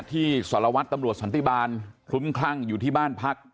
สารวัตรตำรวจสันติบาลคลุ้มคลั่งอยู่ที่บ้านพัก